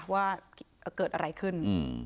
ว่าเกิดอะไรขึ้น